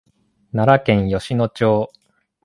奈良県吉野町